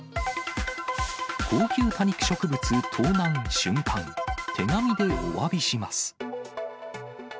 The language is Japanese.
高級多肉植物盗難瞬間、手紙で、おわびします。